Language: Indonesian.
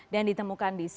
dan ditemukan di bekasi